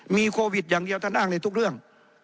มีโควิดอย่างเดียวถ้านั่งในทุกเรื่อง